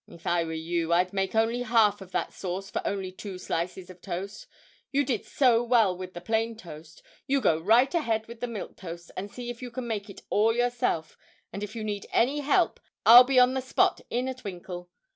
If I were you, I'd make only half of that sauce for only two slices of toast. You did so well with the Plain Toast; you go right ahead with the Milk Toast, and see if you can make it all yourself, and if you need any help, I'll be on the spot in a twinkle.